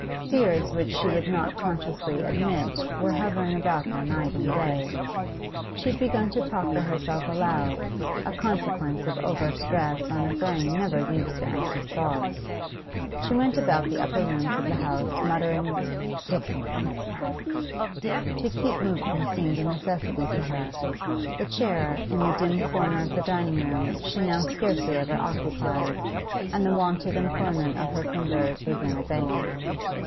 Fears which she would not consciously admit were hovering about her night and day. She had begun to talk to herself aloud, a consequence of over stress on a brain never used to anxious thought; she went about the upper rooms of the house muttering 'Dick's an honest man.' To keep moving seemed a necessity to her; the chair in the dim corner of the dining room she now scarcely ever occupied, and the wonted employment of her fingers was in abeyance.